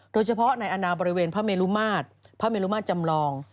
โดยเฉพาะในอนาบริเวณพระเมลุมาตรพระเมลุมาตรจำลอง